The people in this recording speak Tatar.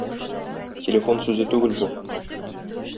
Телефон сүзе түгел бу!